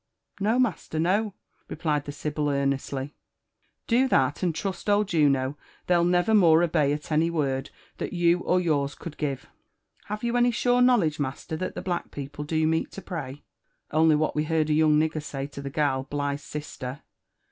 '* No, master, no," replied the sibyl earnestly. '* Do' that, and trust old Juno, they'll never more obey at any word that you or youn could give. Have you any sure knowledge, coaster, that Ibe black people do meet to pray V ''Only what we heard a ypuqg nigger say to ibe gal, Bligb'i «sler."